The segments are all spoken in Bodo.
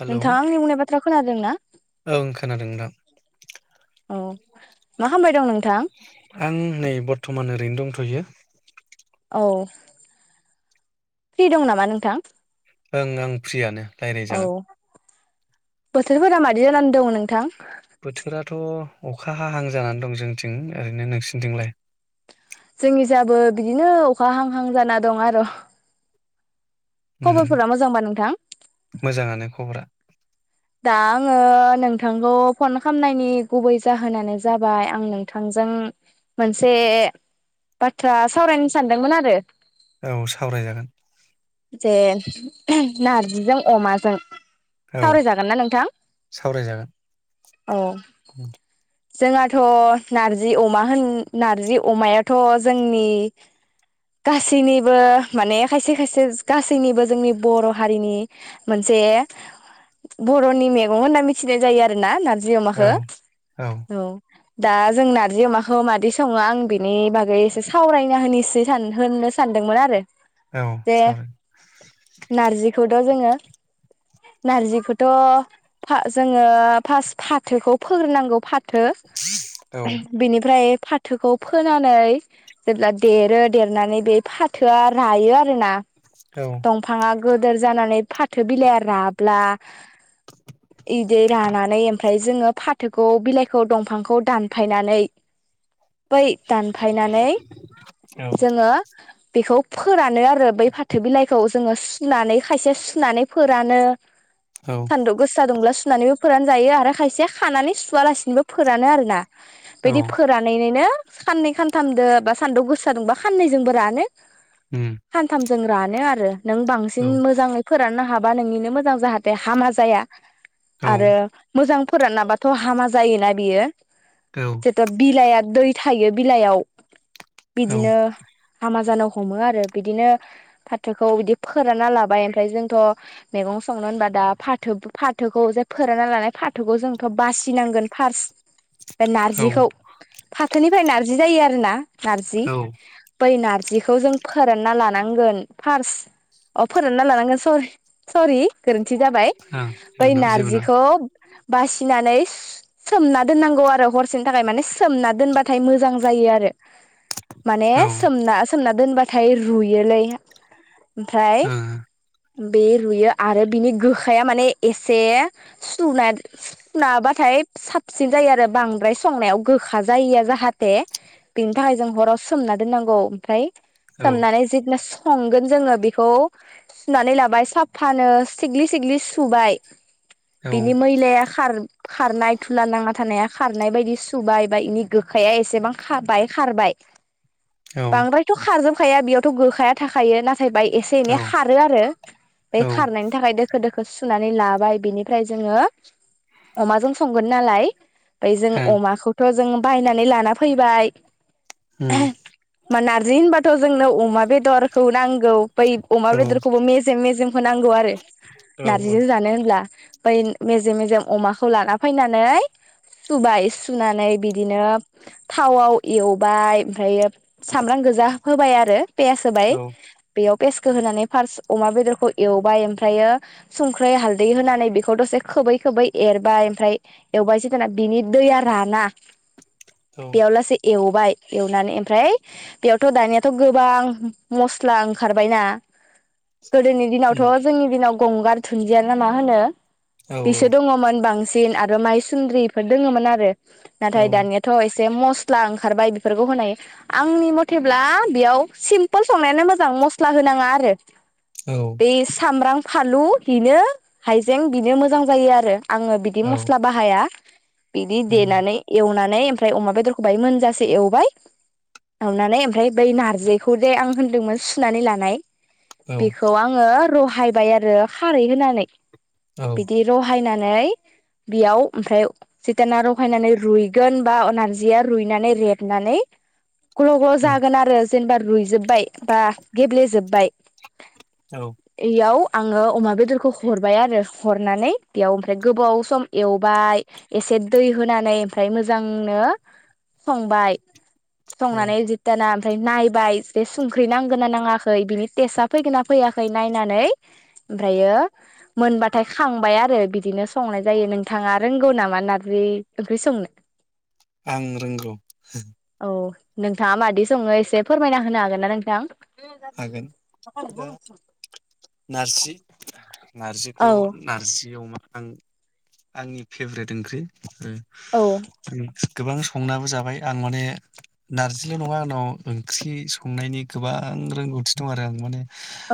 हेलौ नोंथाङा आंनि बुंनाय बाथ्रा खोनादों ना? ओं खोनादों [inaudible] औ मा खामबाय दं नों थां? आं नै बर्थमान ओरैनो दंथयो। औ फ्रि दं नामा नोंथां? ओं ओं फ्रियानो रायलाय औ जागोन [unintelligible] दङ नोंथां बोथोराथ अखा हाहां जानान दं जोंथिं ओरैनो नोंसिनिथिंलाय? जोंनि जायाबो बिदिनो अखा हां हां जाना दं आर उम खबरफोरा मोजांबा नोंथां? मोजाङानो खबरा दा आङो नोंथांखौ फन खालामनायनि गुबै जाहोनानो जाबाय आं नोंथांजों मोनसे बाथ्रा सावरायनो सानदोंमोन आरो औ सावरायजागोन जे नारजिजों अमाजों औ सावरायजागोन ना नोंथां? सावरायजागोन औ उम, जोंहाथ नारजि अमा होन नारजि अमायाथ जोंनि गासैनिबो माने खायसे खायसे गासैनिबो जोंनि बर हारिनि मोनसे बरनि मेगं होनना मिथिनाय जायो आरो ना नार जि अमाखो औ औ दा जों नारजि अमाखौ मादि सङो आं बिनि बागै एसे सावरायना होनिसै सान होननो सानदोंमोन आरो औ सावराय ओ जोङो नारजि खोद थ फा जोङो फास फाथोखौ फोग्रोनांगौ फाथ थो औ बेनिफ्राय फाथोखौ फोनानै ब्ला देरो देरनानै बे फाथोआ रायो आरोना औ दंफांआ गोदोर जानानै फाथो बिलाइया राब्ला इदि रानानै ओमफ्राय जोङो फाथोखौ बिलाइखौ दंफांखौ दानफायनानै बै दानफायनानै औ जोङो बेखौ फोरानो आरो बै फाथो बिलाइखौ जोङो सुनानै खायसेया सुनानै फोरानो औ सान्दु गोसा दुंब्ला सु नानैबो फोरान जायो आरो खायसेया खानानै सुवालासिनोबो फोरानो आरोना औ बिदि फोरानैनैनो खाननै खानथामदो बा सान्दु गोसा दुंबा खाननैजोंबो रानो उम सानथामजों रानो आरो नों बांसिन औ मोजाङै फोराननो हा हाबा नोंनिनो मोजां जाहा जे हामा जाया। औ आरो मोजां फोरानाबाथ हामा जायोना बियो। औ जेथ बिलाइया दै थायो बिलाइयाव। औ बिदिनो हामा जानो हमो आरो बिदिनो फाथोखौ बिदि फोरानना लाबाय ओमफ्राय जोंथ मैगं संनो होनबा दा फाथो फाथोखौ जे फोरानना लानाय फाथोखौ जोंथ बासिनांगोन फार्स्ट ओ औ नारजिखौ फाथोनिफ्राय नारजि जायो आरो ना‌। नारजि औ ओं बै नार जिखौ जों फोरानना लानांगोन फार्स्ट अ फोरानना लानांगोन सरि सरि गोरोनथि जाबाय जेबो बै नङा जेबो नङा नारजिखौ बासिनानै सोमना दोननांगौ आरो हरसेनि थाखाय माने सोमना दोनबाथाय मोजां जायो आरो। माने औ ओं सोमना सोमना दोनबा थाय रुयोलोय।। ओमफ्राय औ बे रुयो आरो बिनि गोखाया माने एसे सुनाद सु-सुना होबाथाय साबसिन जायो आरो बांद्राय संनायाव गोखा जायैया जाहाथे बेनि थाखाय जों हराव सोमना दोननांगौ ओमफ्राय सोमनानै जेब्ला सं संगोन जोङो बेखौ सुनानै लाबाय साफानो। सिगलि सिगलि सुबाय। औ बिनि मैलाया खार खारनाय धुला नांना थानाया खारनाय बायदि सुबाय बा इनि गोखाया एसेबां खाबाय खारबाय। औ बांद्रायथ खारजोब खाया बेयावथ गोखाया थाखायो ना थायबा एसे एनै औ खारो आरो बे ओं खारनायनि फायदों दोखो दोखो सुनानै लाबाय बिनिफ्राय जोङो अमाजों संगोन नालाय बोय जों अमाखौथ जों बायनानै लाना फैबाय ओम। नारजि होनबाथ जोंनो अमा बेदरखौ नां नांगौ बै अमा औ बेदरखौबो मेजेम मेजेमखौ नांगौ आरो। औ नारजि जानो होमबा ब्ला बै मेजेम मेजेम अमाखौ लाना फैनानै सुबाय सुनानै बिदिनो थावआव एवबाय ओमफ्रायो सामब्राम गोजा फोबाय आरो [inaudible] पियास होबाय औ बेयाव‌ पिसखौ होनानै फार्स्ट अमा बेदरखौ एवबाय ओम ओमफ्रायो संख्रै हालदै होनानै बेखौ दसे खोबै खोबै एरबाय ओमफ्राय एवबायसो दाना बिनि दैया राना औ बेयावलासे एव एवबाय एवनानै ओमफ्राय बेयावथ दानियाथ गोबां मस्ला ओंखारबायना गोदोनि दिनावथ' उम, जोंनि दिनाव गंगार दुन्दिया ना मा होनो औ बिसो दङमोन बांसिन दिन आरो माइ सुन्द्रिफोर दोङोमोन आरो औ नाथाय दानियाथ एस जे मस्ला ओंखारबाय बेफोरखौ होनाय आंनि मथेब्ला बेयाव सिम्पोल संनायानो मोजां मस्ला होनाङा आरो औ। बे सामब्राम फालु बिनो हाइजें बिनो मोजां जायो आरो आङो बिदि औ मस्ला बाहाया बिदि उम, औ देनानै एवनानै नै ओमफ्राय अमा बेदरखौ बाहाय मोनजसे एवबाय एवनानै ओमफ्राय बै नारजिखौ दे आं होन्दोंमोन सुनानै लानाय औ बेखौ आङो र हायबाय आरो खारै होनानै। बिदि रहायनानै ओमफाय बेयाव ओमफ्राय सिटाना रहायनानै रुइगोन बा नार्जिया रुइनानै रेबनानै ग्ल ग्ल उम, जागोन आरो जेनेबा रुयजोब बाय बा गेब्लेेजोब्बाय औ। इयाव आङो अमा बेदरखौ हरबाय आरो हरनानै बेयाव ओमफ्राय गोबाव सम एवबाय एसे दै होनानै ओमफ्राय मोजांनो संबाय। औ संनानै जित्याना नायबाय जे संख्रि नांगोन ना नाङाखै बिनि टेस्टआ फैगोन ना फैयाखै नायनानै ओमफ्रायो मोनबाथाय खांबाय आरो बिदिनो संनाय जायो। नोंथाङा रोंगौ नामा नार्जि ओंख्रि संनो? आं रोंगौ। औ नोंथाङा मादि सङो एसे फोरमायना होनो हागोन ना नोंथां? [inaudible] हागोन दा नारजि नारजिखौ औ नारजि अमा आं आंनि फेभ्रेट ओंख्रि उम औ उम गोबां संनाबो जाबाय आं माने नारजिल' नङा आंनाव ओंख्रि संनायनि गोबां रोंगौथि दं आरो आं माने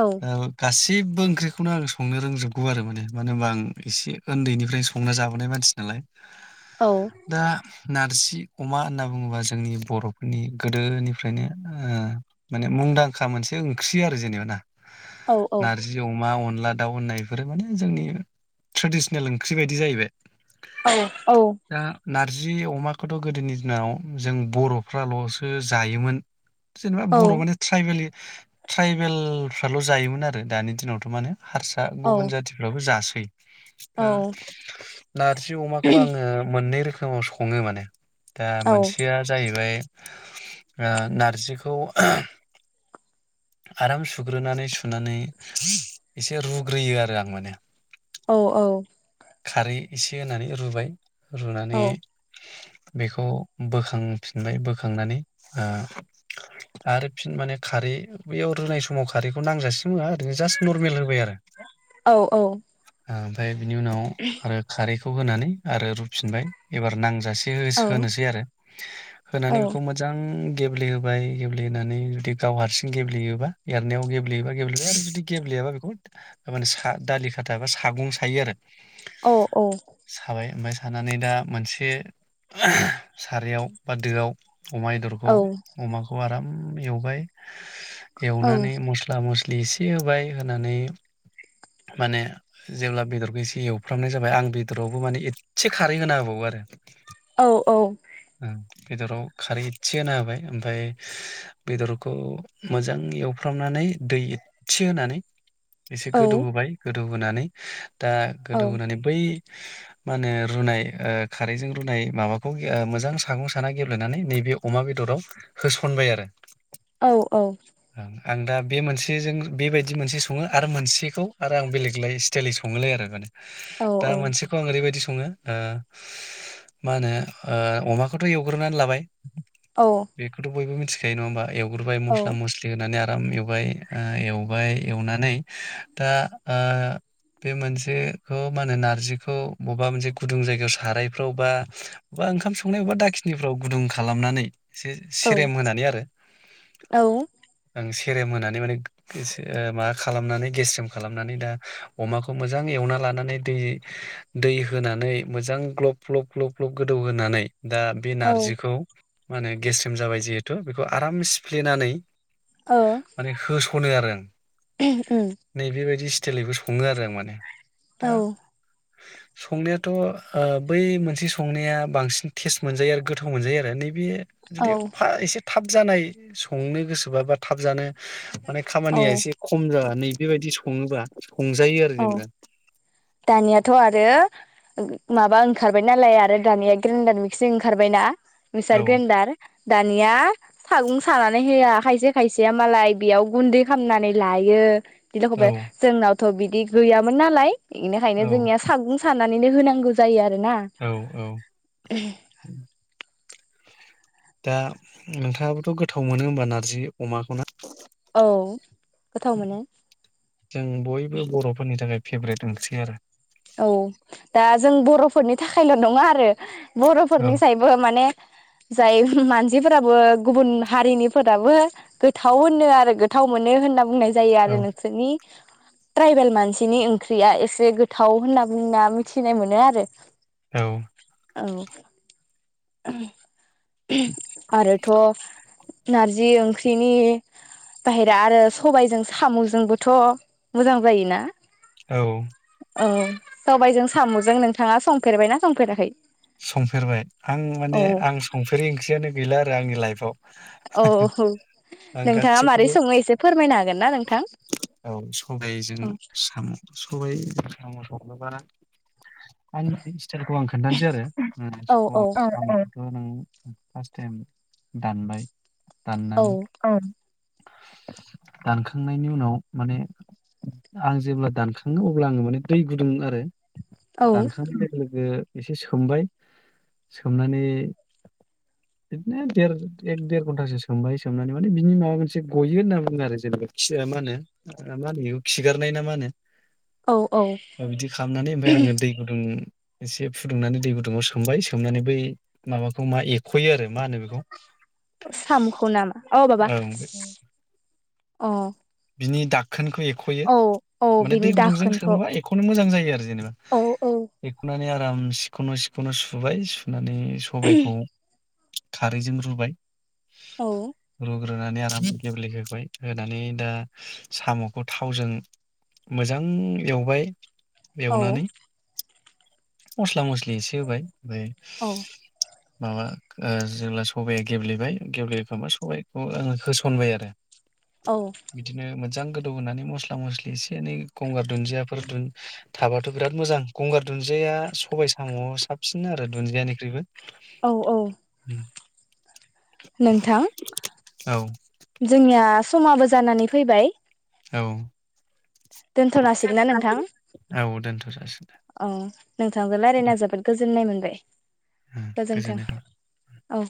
औ गासि बो ओंख्रिखौनो आं संनो रोंजोबगौ आरो माने मानो ओनबा आं एसे ओन्दैनिफ्रायनो संना जाबोनाय मानसि नालाय । औ दा नारजि अमा होनना बुङोबा जोंनि बर'फोरनि गोदोनिफ्रायनो ओ माने मुंदां खा मोनसे ओंख्रि आरो जेनेबा ना औ । नारजि अमा अन नला दाउ होननाय बेफोरो माने जोंनि ट्रेडिस्नेल ओंख्रि बायदि जाहैबाय । औ औ नारजि अमाखौथ' गोदोनि दिनाव जों बर'फ्राल'सो जायोमोन । जेनेबा औ बर' माने ट्राइबेल ट्राइबेल फ्राल' जायोमोन आरो दानि दिनावथ' माने हारसा औ गुबुन जाथिफ्राबो जासो औ दा नारजि अमाखौ आङो मोननै रोखो मआव सङो माने दा औ मोनसेया जाहैबाय ओ नारजिखौ आराम सुग्रोनानै सुनानै एसे रुग्रोयो आरो आं माने औ औ खारै इसे होनानै रुबाय रुनानै बेखौ बोखांफिनबाय बोखांनानै ओ आरो फिन माने खारै बैयाव रुनाय समाव खारैखौ नांजासि होआ ओरैनो जास नर्मेल होबाय आरो औ औ ओ बिनि उनाव आरो खारै खौ होनानै आरो रुफिनबाय एबार नांजासे औ ओ हो-होनोसै आरो होनानै बेखौ मोजां गेब्लेहोबाय गेब्लेहोनानै जुदि गाव हारसिं गेब्लेयोबा एरनायाव गेबेयोबा गेब्लेबा आरो जुदि गेब्लेयाबा बेखौ सा- दालि खाथा बा सागं सायो आरो औ औ। [unintelligible] दा मोनसे सारायाव बा दोआव अमा बेदरखौ अमाखौ आराम एवबाय एवनानै मस्ला मसि एसे होबाय होनानै माने जेब्ला बेदरखौ एसे एवफ्रामनाय जाबाय आं बेदरावबो माने एसे खारै होना होबावो आरो औ औ। ओं बेदराव खारै इदसे होना होबाय ओमफाय बेदर अ मोजाङै एवफ्रामनानै दै एदसे होनानै एसे गोदौहोबाय गोद दौहोनानै दा गोदौ होनानै बै मा होनो रुनाय ओ खारैजों रुनाय माबाखौ ओ मोजां सागं साना गेब्लेनानै नैबे अमा बेदराव होसनबाय आरो। औ औ। ओं आं दा बे मोनसेजों बेबायदि मोनसे सङो आरो मोनसेखौ आरो आं बेलेग लाय स्टाइलै सङोलाय आरो माने दा उम मोनसेखौ आं ओरैबायदि सङो ओ मा होनो ओ अमाखौथ' एवग्रोना लाबाय बेखौथ' बयबो मिथि [unintelligible] नङा होमबा? [unintelligible] रबाय मस्ला मस्लि होनानै आरो आराम एवबाय ओ एवबाय एवनानै दा ओ बे मोनसेखौ मा होनो नारजिखौ बबेबा मोनसे गुदुं जायगायाव सारायफ्राव बा बबेबा ओंखाम संनाय बबेबा दाखिनिफ्राव गुदुं खालामनानै एसे सेरेम होनानै आरो औ सेरेम होनानै माने गोस- ओ माबा खालामनानै गेस्रेम खालामनानै दा अमाखौ मोजां एवना लानानै दै, दै होनानै मोजां ग्लब ग्लब ग्लब ग्लब गोदौहोनानै दा बे नारजिखौ माने गेस्रिम जाबाय जिहेथु बे- खौ आराम सिफ्लेनानै माने होसनो आरो आं नैबे बायदि टेलैबो सङो आरो आं माने। दा औ। संनायाथ' ओ बै मोनसे संनाया बांसिन टेस्ट मोनजायो आरो गोथाव मोनजायो आरो नैबे औ जुदि फा एसे जानाय संनो गोसोबाबा थाब जानो माने औ खामानिया एसे खम जानानै बेबायदि सङोबा संजायो आरो औ जेनेबा दानियाथ आरो माबा ओंखारबाय नालाय आरो दानिया ग्रेन्डार मिकसिं ओंखारबायना। फैसार औ गोनदार । दानिया सागं सानानै होआ। खायसे खायसेया मालाय बेयाव गुन्दै खालामनानै लायो औ [unintelligible] जोंनाव थ बि बिदि गैयामोन नालाय। बेनिखायनो औ जोंनिया सागुं सानानैनो होनांगौ जायो आ औ औ दा नोंथाङाबोथ गोथाव मोनो होमबा नारजि अमाखौ ना। औ गोथाव मोनो जों बयबो बर'फोरनि थाखाय फेभरेट ओंख्रि आरो । औ दा जों ब रफोरनि थाखायल नङा आरो। बरफोरनि सायबो माने जाय मानसिफोराबो गुबुन हारिनिफोराबो गोथाव होनो आरो गोथाव मोनो होनना बुंनाय ज जायो आरो औ नोंसोरनि ट्राइबेल मानसिनि ख्रिया एसे गोथाव होनना बुंना मिथिनाय मोनो आरो। औ। औ। आरोथ नारजि ओंख्रिनि बायेरा आरो सबायाइजों साम जोंबोथ मोजां जायोना? औ। औ। सबायजों सामजों नोंथाङा संफेरबायना संफेराखै? संफेरबाय। आं औ माने आं संफेरै ओंख्रियानो गैला आरो आंनि लाइफआव। औ। आं नोंथाङा मारै गासिखौबो सङो एसे फोरमायनो हागोन ना नोंथां औ, सबायजों औ साम, सबायजों साम संनोबा [unintelligible] स्थाइलखौ आं खोन्थानोसै आरो। औ साम ओं नों फार्स्ट टाइम दानबाय औ दाननानै ओं [inaudible] दानखांनायनि उनाव माने आं जेब्ला दानखाङो अब्ला आङो माने दै गुदुं आरो औ दानखांनाय लोगो लोगो एसे सोमबाय। सोमनानै बिदिनो देर एक देर घन्टासो सोमबाय सोमनानै माने बिनि माबा मोनसे गयो होनना बुङो आरो जेनेबा खिया मानो मा होनो बेखौ खिगारनाय ना मा होनो औ औ बिदि खालामनानै ओमफाय आङो दै गुदुं एसे फुदुंनानै दै गुदुंङाव सोमबाय सोमनानै बै माबाखौ मा एखयो आरो मा होनो बेखौ सामुखौ नामा? अ माबा औ अ बिनि दाख खोनखौ एखयो, औ औ माने बिनि दै गुदुंजों दाखोनखौ सोङोबा एखनो मोजां जायो। जेनबा औ औ एखनानै आम सिखनो सिखनो सुबाय नानै सबायखौ खारैजों रुबाय औ। ग्रोनानै आराम गेब्लेहोबाय, होनानै दा साम'खौ थावजों मोजां एवबाय औ एवनानै मस्ला मस्लि एसे होबाय बाय औ माबा ओ जेब्ला सबाया गेब्लेबाय गेब्लेहोखांबा सबाइखौ आङो होसनबाय आरो बिदिनो मोजां गो दौ होनानै मस्ला मस्लि एसे एनै गंगार दुन्दियाफोर थाबाथ बिराद मोजां। गंगार दुन्दिया सबाइ साम'आव साबसिन आरो दुन्दियानिख्रुइबो। औ औ उम, नोंथां औ जोंनिया समाबो जानानै फैबाय औ दोनथ जासिगोनना नोंथां औ दोनथ' जासिगोन। दे अ नोंथांजों दे, रायलायना जोबोद गोजोननाय मोनबाय। ओ [inaudible] गोजोन्थों। गोजोननाय औ